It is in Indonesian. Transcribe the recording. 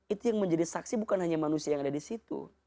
itu yang menjadi saksi bukan hanya manusia yang ada di situ